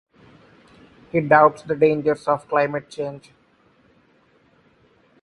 He doubts the dangers of climate change.